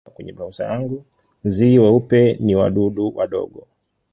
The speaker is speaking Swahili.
Nzi weupe ni wadudu wadogo.